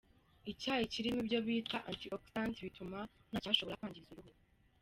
Icyayi : Kirimo ibyo bita "Anti-oxydant" bituma ntacyashobora kwangiza uruhu.